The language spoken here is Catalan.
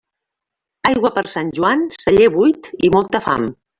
Aigua per Sant Joan, celler buit i molta fam.